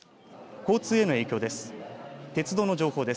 交通への影響です。